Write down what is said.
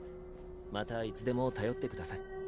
またいつでも頼ってください。